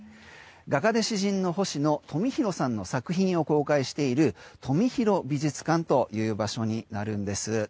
画家で詩人の星野富弘さんの作品を公開している富弘美術館という場所になるんです。